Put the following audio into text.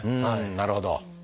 なるほど。